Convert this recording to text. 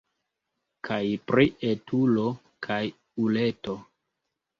Kaj pri etulo kaj uleto..